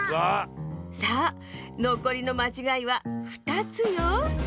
さあのこりのまちがいは２つよ。